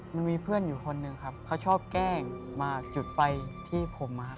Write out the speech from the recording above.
มันมีเพื่อนอยู่คนหนึ่งครับเขาชอบแกล้งมาจุดไฟที่ผมนะครับ